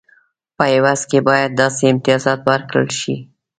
په عوض کې باید داسې امتیازات ورکړل شي.